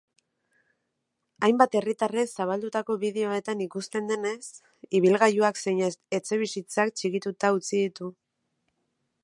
Hainbat herritarrek zabaldutako bideoetan ikusten denez, ibilgailuak zein etxebizitzak txikituta utzi ditu.